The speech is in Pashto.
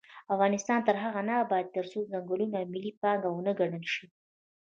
افغانستان تر هغو نه ابادیږي، ترڅو ځنګلونه ملي پانګه ونه ګڼل شي.